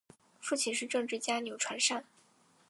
父亲是政治家钮传善。